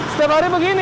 setiap hari begini